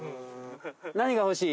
何が欲しい？